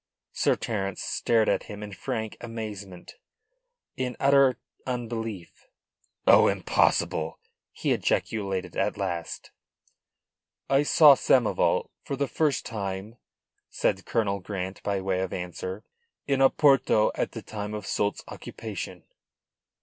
Sir Terence stared at him in frank amazement, in utter unbelief. "Oh, impossible!" he ejaculated at last. "I saw Samoval for the first time," said Colonel Grant by way of answer, "in Oporto at the time of Soult's occupation.